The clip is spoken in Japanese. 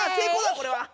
これは。